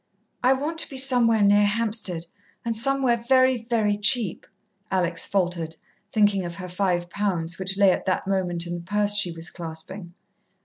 "I want to be somewhere near Hampstead and somewhere very, very cheap," Alex faltered, thinking of her five pounds, which lay at that moment in the purse she was clasping.